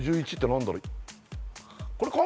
何だろう？